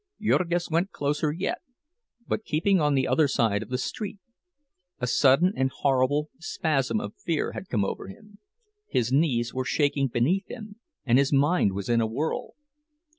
Jurgis went closer yet, but keeping on the other side of the street. A sudden and horrible spasm of fear had come over him. His knees were shaking beneath him, and his mind was in a whirl.